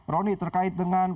roni terkait dengan